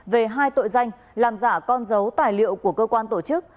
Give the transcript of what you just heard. về hai tội danh làm giả con dấu tài liệu của cơ quan tổ chức